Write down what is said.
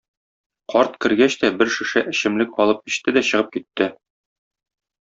Карт кергәч тә бер шешә эчемлек алып эчте дә чыгып китте.